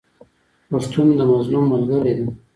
پښتون د مظلوم ملګری دی.